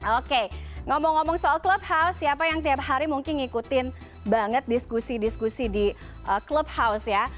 oke ngomong ngomong soal clubhouse siapa yang tiap hari mungkin ngikutin banget diskusi diskusi di clubhouse ya